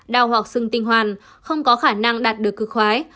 đau hoặc sưng tinh hoàn không có khả năng đạt được cư khoái